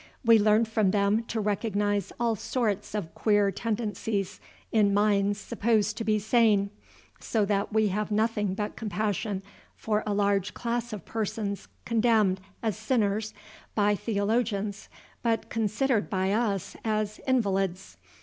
We learn from them to recognize all sorts of queer tendencies in minds supposed to be sane, so that we have nothing but compassion for a large class of persons condemned as sinners by theologians, but considered by us as invalids.